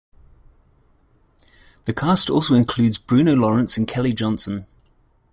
The cast also includes Bruno Lawrence and Kelly Johnson.